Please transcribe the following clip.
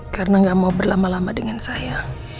karena gak mau berlama lama dengan saya